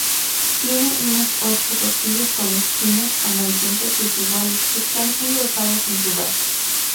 Tiene unas ocho costillas con espinas amarillentas desiguales que están engrosadas en su base.